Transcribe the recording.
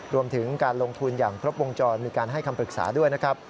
รวมถึงการลงทุนอย่างครบวงจรมีการให้คำปรึกษาด้วยนะครับ